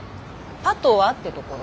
パトワってところ。